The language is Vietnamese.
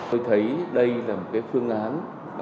tôi thấy đây là một phương án